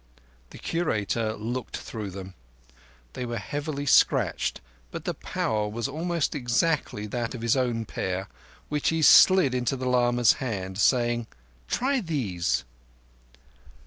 The Curator looked through them. They were heavily scratched, but the power was almost exactly that of his own pair, which he slid into the lama's hand, saying: "Try these."